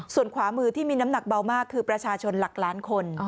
ส่วนขวามือที่มีน้ำหนักเบามากคือประชาชนหลักล้านคน